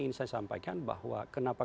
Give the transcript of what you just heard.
ingin saya sampaikan bahwa kenapa